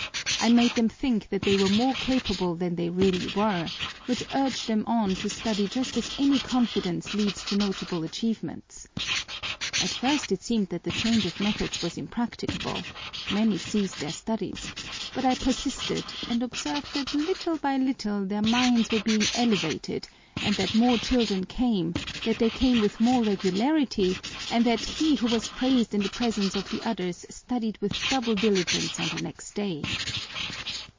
I made them think that they were more capable than they really were, which urged them on to study just as any confidence leads to notable achievements. At first it seemed that the change of method was impracticable; many ceased their studies, but I persisted and observed that little by little their minds were being elevated and that more children came, that they came with more regularity, and that he who was praised in the presence of the others studied with double diligence on the next day.